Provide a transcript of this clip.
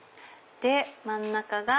真ん中が。